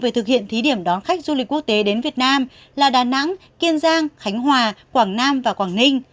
về thực hiện thí điểm đón khách du lịch quốc tế đến việt nam là đà nẵng kiên giang khánh hòa quảng nam và quảng ninh